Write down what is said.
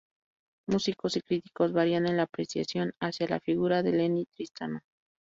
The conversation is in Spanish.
Músicos y críticos varían en la apreciación hacia la figura de Lennie Tristano.